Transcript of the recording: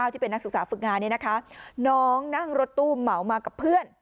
ที่เป็นนักศึกษาฝึกงานนี้นะคะน้องนั่งรถตู้เหมามากับเพื่อน